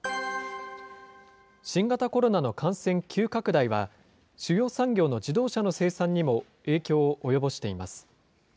新型コロナな感染急拡大は、主要産業の自動車の生産にも影響を及ぼしています。